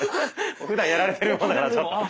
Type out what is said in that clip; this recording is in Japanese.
ふだんやられてるもんだからちょっと。